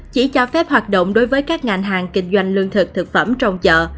chỉ cho phép hoạt động đối với các ngành hàng kinh doanh lương thực thực phẩm trong chợ